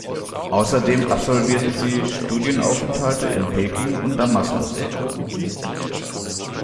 Außerdem absolvierte sie Studienaufenthalte in Peking und Damaskus.